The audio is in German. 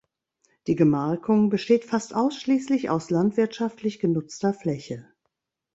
Die Gemarkung besteht fast ausschließlich aus landwirtschaftlich genutzter Fläche.